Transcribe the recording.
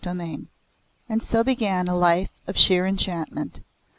V And so began a life of sheer enchantment.